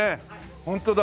ホントだ。